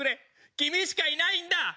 君しかいないんだ！